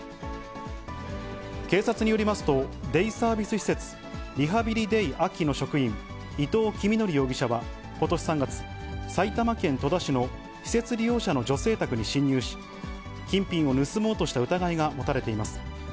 警察によりますと、デイサービス施設、リハビリデイ秋の職員、伊藤己実範容疑者は、ことし３月、埼玉県戸田市の施設利用者の女性宅に侵入し、金品を盗もうとした疑いが持たれています。